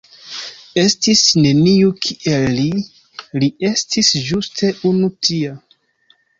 Estis neniu kiel li, li estis ĝuste unu tia".